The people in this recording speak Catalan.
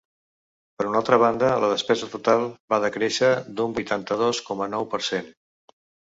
Per una altra banda, la despesa total va decréixer d’un vuitanta-dos coma nou per cent.